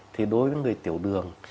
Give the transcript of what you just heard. thì đối với người tiểu đường